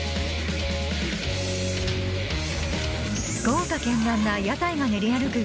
豪華絢爛な屋台が練り歩く